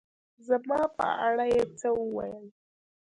زما په اړه يې څه ووېل